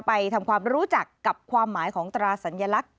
ไปทำความรู้จักกับความหมายของตราสัญลักษณ